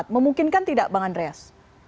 memungkinkan tidak bang andreas